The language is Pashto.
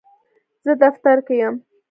زه دفتر کې یم.